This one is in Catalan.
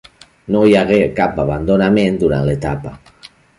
No hi hagué cap abandonament durant l'etapa.